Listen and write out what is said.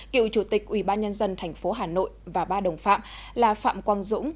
cựu chủ tịch ủy ban nhân dân thành phố hà nội và ba đồng phạm là phạm quang dũng